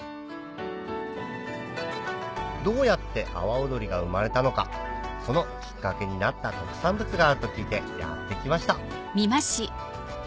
どうやって阿波おどりが生まれたのかそのきっかけになった特産物があると聞いてやって来ました